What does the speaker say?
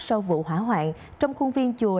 sau vụ hỏa hoạn trong khuôn viên chùa